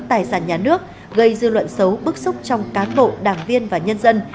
tài sản nhà nước gây dư luận xấu bức xúc trong cán bộ đảng viên và nhân dân